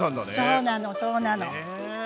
そうなのそうなの。